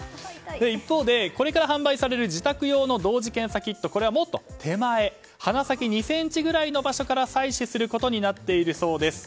一方でこれから販売される自宅用の同時検査キットこれはもっと手前鼻先２ｃｍくらいの場所から採取することになっているそうです。